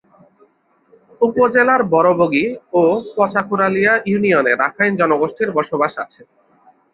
উপজেলার বড়বগী ও পঁচাকোড়ালিয়া ইউনিয়নে রাখাইন জনগোষ্ঠীর বসবাস আছে।